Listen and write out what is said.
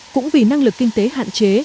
cũng vì năng lực kinh tế hạn chế